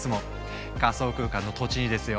仮想空間の土地にですよ！